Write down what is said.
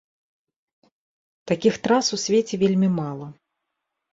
Такіх трас у свеце вельмі мала.